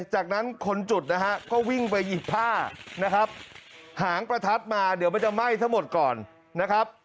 จากนั้นคนจุดนะฮะก็วิ่งไปหยิบผ้านะครับหางประทัดมาเดี๋ยวมันจะไหม้ทั้งหมดก่อนนะครับ